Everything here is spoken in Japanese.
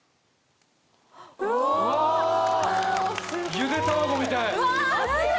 ゆで卵みたいほら！